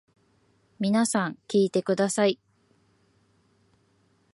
皆さん聞いてください。